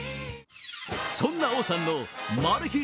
そんな王さんのマル秘